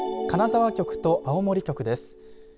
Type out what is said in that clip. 金沢局と青森局です。